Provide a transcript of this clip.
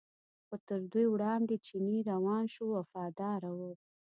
خو تر دوی وړاندې چینی روان شو وفاداره و.